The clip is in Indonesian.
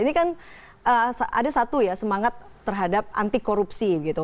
ini kan ada satu ya semangat terhadap anti korupsi gitu